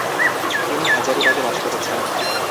তিনি হাজারীবাগে বাস করেছেন।